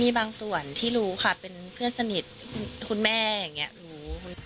มีบางส่วนที่รู้ค่ะเป็นเพื่อนสนิทคุณแม่อย่างนี้รู้